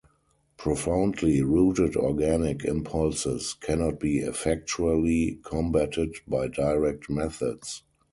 Profoundly rooted organic impulses cannot be effectually combated by direct methods.